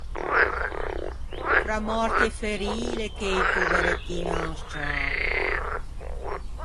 Fra mòrti e ferii l’é cheito o berrettin à un scciavo.